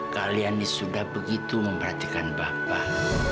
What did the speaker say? kalian ini sudah begitu memperhatikan bapak